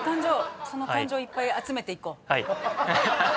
その感情いっぱい集めていこう。